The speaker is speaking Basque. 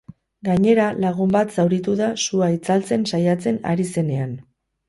Gainera, lagun bat zauritu da sua itzaltzen saiatzen ari zenean.